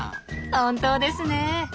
本当ですね。